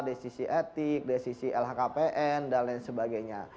dari sisi etik dari sisi lhkpn dan lain sebagainya